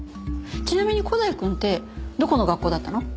ちなみに古代くんってどこの学校だったの？